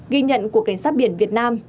ghi nhận của cảnh sát biển việt nam